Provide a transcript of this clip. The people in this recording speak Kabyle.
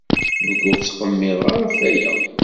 Nekk ur ttqemmireɣ ara ɣef waya.